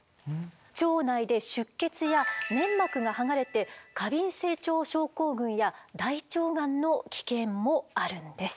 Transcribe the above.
腸内で出血や粘膜が剥がれて過敏性腸症候群や大腸がんの危険もあるんです。